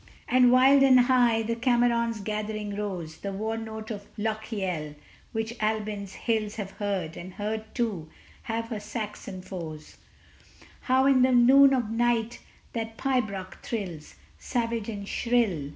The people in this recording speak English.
And wild and high the "Cameron's gathering" rose! The war note of Lochiel, which Albyn's hills Have heard, and heard, too, have her Saxon foes: How in the noon of night that pibroch thrills Savage and shrill!